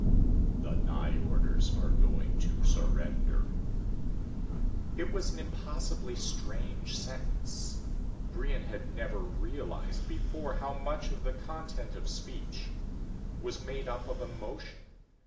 "The Nyjorders are going to surrender." It was an impossibly strange sentence. Brion had never realized before how much of the content of speech was made up of emotion.